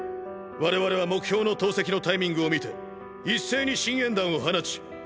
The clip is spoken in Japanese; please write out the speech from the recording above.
我々は目標の投石のタイミングを見て一斉に信煙弾を放ち！！